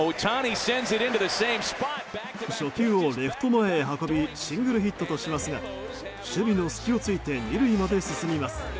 初球をレフト前へ運びシングルヒットとしますが守備の隙を突いて２塁まで進みます。